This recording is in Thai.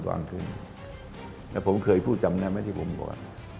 และผมเคยพูดจำนั้นไหมที่ผมบอก